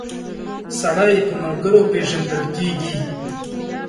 سړی په ملګرو پيژندل کیږی